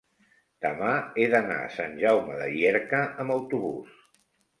demà he d'anar a Sant Jaume de Llierca amb autobús.